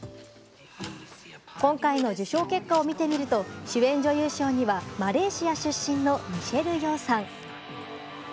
今回の受賞結果を見てみると主演女優賞にはマレーシア出身のミシェル・ヨーさん。